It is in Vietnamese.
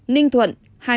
ninh thuận hai mươi hai